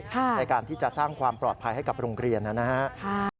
ในการที่จะสร้างความปลอดภัยให้กับโรงเรียนนะครับ